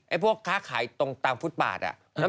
พวกค้าขายตรงตามฟุตบาท